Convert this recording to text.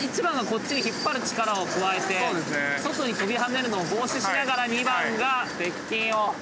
１番がこっちに引っ張る力を加えて外に飛び跳ねるのを防止しながら２番が鉄筋を。